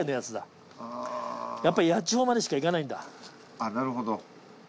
あっなるほど。